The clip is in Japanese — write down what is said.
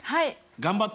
頑張って！